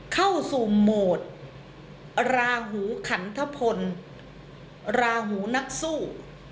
เข้าสู่โหมดราหูขันทพลราหูนักสู้